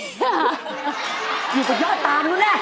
หมึกศักยาติตามนึงแน่